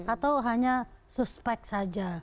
atau hanya suspek saja